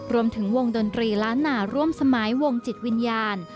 รวมถึงวงดนตรีล้านนาร่วมสมัยวงจิตวิญญาณ